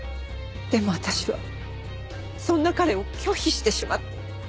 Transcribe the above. でも私はそんな彼を拒否してしまった。